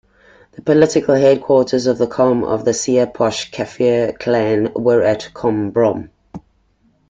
The political headquarters of the Kom of the Siah-Posh Kafir clan were at "Kombrom".